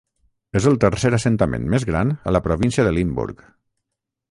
És el tercer assentament més gran a la província de Limburg.